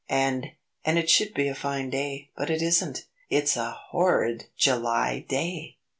"And and it should be a fine day, but it isn't it's a horrid July day!"